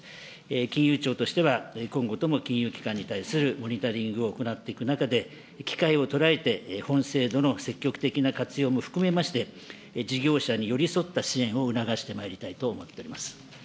金融庁としては、今後とも金融機関に対するモニタリングを行っていく中で、機会を捉えて、本制度の積極的な活用も含めまして、事業者に寄り添った支援を促してまいりたいと思っております。